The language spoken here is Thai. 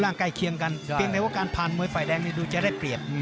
ร่างใกล้เคียงกันเป็นไงว่าการผ่านมวยฝ่ายแดงนี้ดูจะได้เปรียบ